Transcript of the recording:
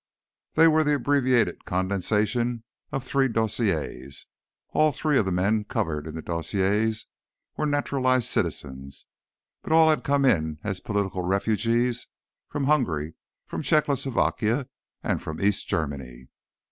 They were the abbreviated condensations of three dossiers. All three of the men covered in the dossiers were naturalized citizens, but all had come in as "political refugees" from Hungary, from Czechoslovakia, and from East Germany.